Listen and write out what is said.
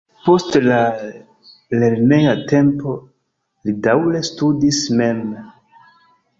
Post la lerneja tempo li daŭre studis mem.